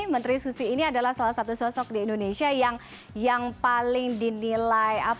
menteri susi ini adalah salah satu sosok di indonesia yang paling dinilai